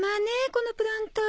このプランター。